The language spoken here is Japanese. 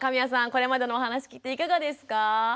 これまでのお話聞いていかがですか？